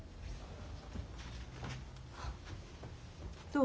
どう？